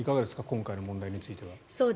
今回の問題については。